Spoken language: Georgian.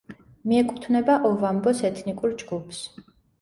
მიეკუთვნება ოვამბოს ეთნიკურ ჯგუფს.